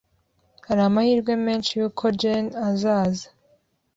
Hari amahirwe menshi yuko Jane azaza